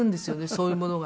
そういうものが。